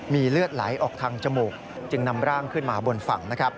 มีเลือดไหลออกทางจมูกจึงนำร่างขึ้นมาบนฝั่งนะครับ